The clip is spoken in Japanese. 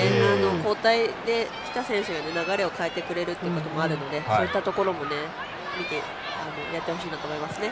交代した選手が流れを変えてくれるっていうこともあるのでそういったところもやってほしいなと思います。